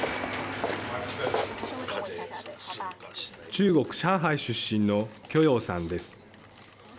中国・上海出身の許耀さんです。